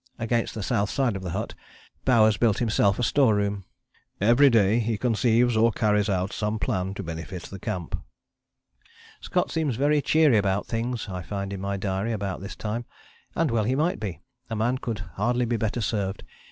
Against the south side of the hut Bowers built himself a store room. "Every day he conceives or carries out some plan to benefit the camp." "Scott seems very cheery about things," I find in my diary about this time. And well he might be. A man could hardly be better served.